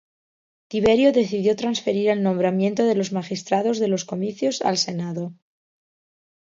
Tiberio decidió transferir el nombramiento de los magistrados de los Comicios al Senado.